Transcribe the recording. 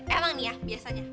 emang nih ya biasanya